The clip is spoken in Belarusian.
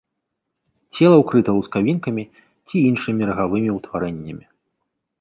Цела ўкрыта лускавінкамі ці іншымі рагавымі ўтварэннямі.